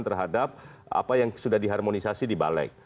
terhadap apa yang sudah diharmonisasi di balik